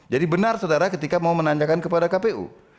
jadi benar saudara ketika mau menanyakan kepada kpu